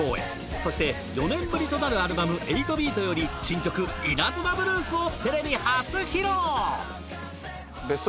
そして４年ぶりとなるアルバム『８ＢＥＡＴ』より新曲『稲妻ブルース』をテレビ初披露！